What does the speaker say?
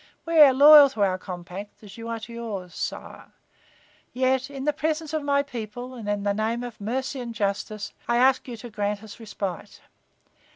We are loyal to our compact, as you are to yours, sire. Yet, in the presence of my people and in the name of mercy and justice, I ask you to grant us respite.